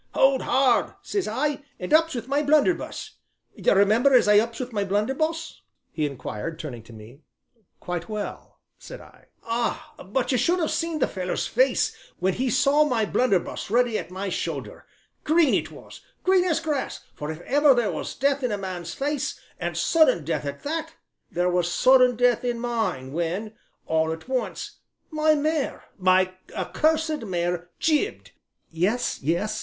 'Hold hard!' says I, and ups with my blunderbuss; you remember as I ups with my blunderbuss?" he inquired, turning to me. "Quite well," said I. "Ah, but you should have seen the fellow's face, when he saw my blunderbuss ready at my shoulder; green it was green as grass, for if ever there was death in a man's face, and sudden death at that, there was sudden death in mine, when, all at once, my mare, my accursed mare, jibbed " "Yes, yes?"